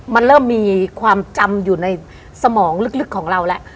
มันเริ่มมีความจำอยู่ในสมองลึกของเราแล้ว